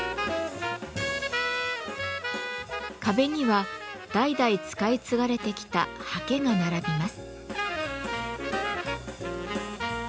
壁には代々使い継がれてきた刷毛が並びます。